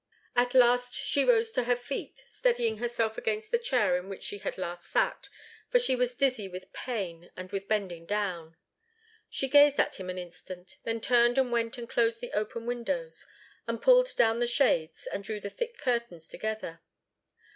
At last she rose to her feet, steadying herself against the chair in which she had last sat, for she was dizzy with pain and with bending down. She gazed at him an instant; then turned and went and closed the open windows, and pulled down the shades and drew the thick curtains together.